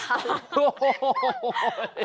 โอ้โหโอ้ย